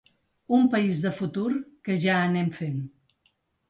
Un país de futur, que ja anem fent.